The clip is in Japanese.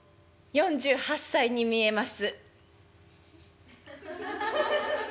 「４８歳に見えます」。